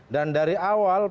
dan dari awal